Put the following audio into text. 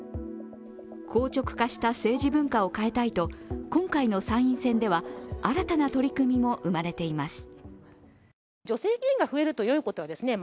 硬直化した政治文化を変えたいと今回の参院選では新たな取り組みも生まれています。